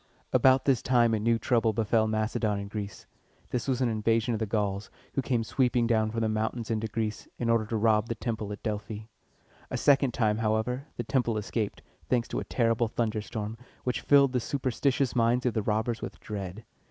About this time a new trouble befell Macedon and Greece. This was an invasion of the Gauls, who came sweeping down from the mountains into Greece, in order to rob the temple at Delphi. A second time, however, the temple escaped, thanks to a terrible thunderstorm, which filled the superstitious minds of the robbers with dread.